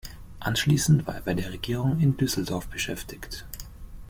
Anschließend war er bei der Regierung in Düsseldorf beschäftigt.